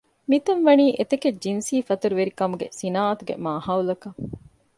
މިތަން ވަނީ އެތަކެއް ޖިންސީ ފަތުރުވެރިކަމުގެ ޞިނާޢަތުގެ މާހައުލަކަށް